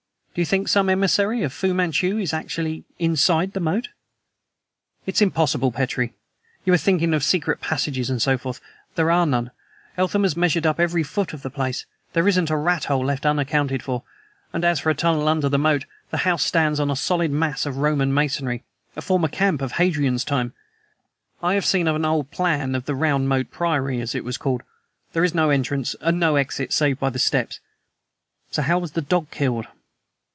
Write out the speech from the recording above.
"Do you think some emissary of Fu Manchu is actually inside the moat?" "It's impossible, Petrie. You are thinking of secret passages, and so forth. There are none. Eltham has measured up every foot of the place. There isn't a rathole left unaccounted for; and as for a tunnel under the moat, the house stands on a solid mass of Roman masonry, a former camp of Hadrian's time. I have seen a very old plan of the Round Moat Priory as it was called. There is no entrance and no exit save by the steps. So how was the dog killed?"